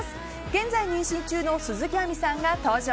現在妊娠中の鈴木亜美さんが登場。